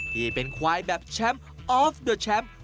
ที่เป็นควายแบบแชมป์ออฟเดอร์แชมป์